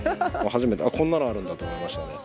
こんなのあるんだと思いましたね。